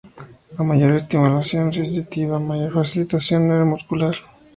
A mayor estimulación sensitiva mayor facilitación neuromuscular.